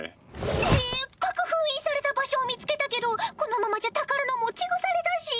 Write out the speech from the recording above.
せっかく封印された場所を見つけたけどこのままじゃ宝の持ち腐れだし。